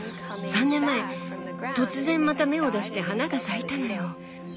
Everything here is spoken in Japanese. ３年前突然また芽を出して花が咲いたのよ。